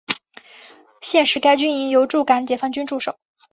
现时该军营由驻港解放军驻守。